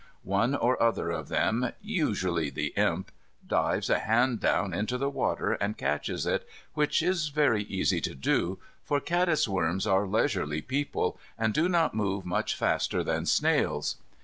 One or other of them, usually the Imp, dives a hand down into the water and catches it, which is very easy to do, for caddisworms are leisurely people, and do not move much faster than snails.